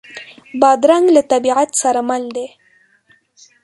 بادرنګ له طبیعت سره مل دی.